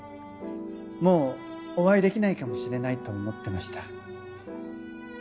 もうお会いできないかもしれないと思ってました。